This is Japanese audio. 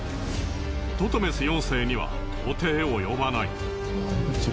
トトメス４世には到底およばない。